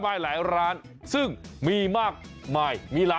สวัสดีครับคุณพี่สวัสดีครับ